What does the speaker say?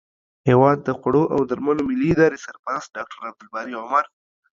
هیواد د خوړو او درملو ملي ادارې سرپرست ډاکټر عبدالباري عمر